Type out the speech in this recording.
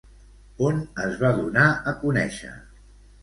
On es va donar a conèixer?